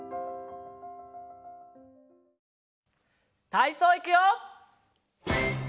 たいそういくよ！